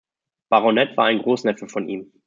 Baronet, war ein Großneffe von ihm.